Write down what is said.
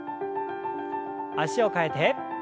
脚を替えて。